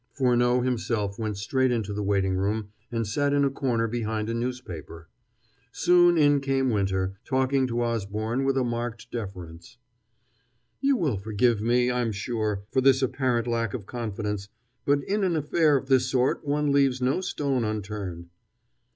Furneaux himself went straight into the waiting room and sat in a corner behind a newspaper. Soon in came Winter, talking to Osborne with a marked deference: "You will forgive me, I am sure, for this apparent lack of confidence, but in an affair of this sort one leaves no stone unturned."